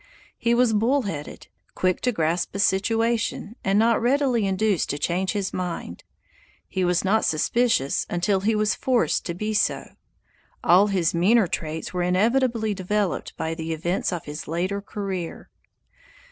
He was bull headed; quick to grasp a situation, and not readily induced to change his mind. He was not suspicious until he was forced to be so. All his meaner traits were inevitably developed by the events of his later career.